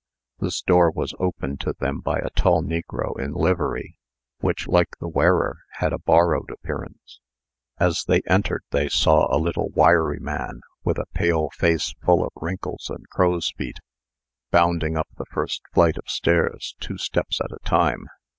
This door was opened to them by a tall negro in livery, which, like the wearer, had a borrowed appearance. As they entered, they saw a little wiry man, with a pale face full of wrinkles and crowsfeet, bounding up the first flight of stairs, two steps at a time.